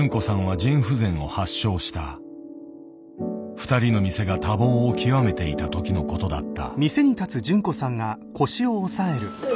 二人の店が多忙を極めていた時のことだった。